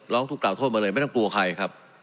ร้องทุกขล่าโทษมาเลยไม่ต้องกลัวใครครับ